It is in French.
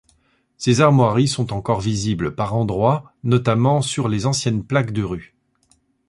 Ces armoiries sont encore visibles par endroits, notamment sur les anciennes plaques de rues.